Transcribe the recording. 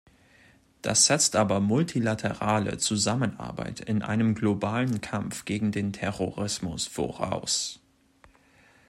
Das aber setzt multilaterale Zusammenarbeit in einem globalen Kampf gegen den Terrorismus voraus.